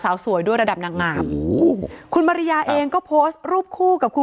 สาวสวยด้วยระดับนางงามโอ้โหคุณมาริยาเองก็โพสต์รูปคู่กับคุณ